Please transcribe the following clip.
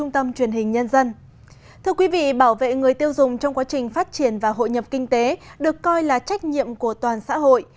thưa quý vị bảo vệ người tiêu dùng trong quá trình phát triển và hội nhập kinh tế được coi là trách nhiệm của toàn xã hội